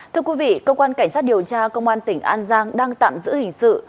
thưa quý vị công an cảnh sát điều tra công an tỉnh an giang đang tạm giữ hình sự